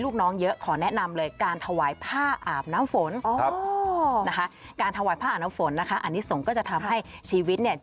ขอแนะนำเลยค่ะเป็นไง